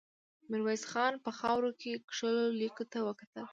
ميرويس خان په خاورو کې کښلو ليکو ته وکتل.